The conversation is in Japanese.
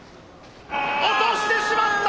落としてしまった！